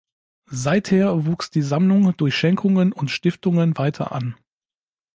Seither wuchs die Sammlung durch Schenkungen und Stiftungen weiter an.